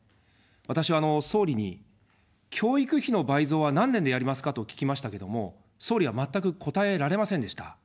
私は総理に、教育費の倍増は何年でやりますかと聞きましたけども、総理は全く答えられませんでした。